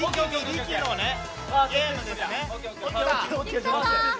力のゲームですね。